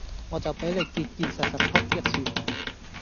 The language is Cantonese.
我就俾你結結實實仆一次